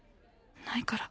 ないから。